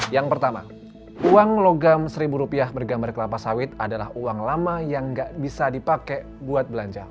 yang pertama uang logam seribu rupiah bergambar kelapa sawit adalah uang lama yang nggak bisa dipakai buat belanja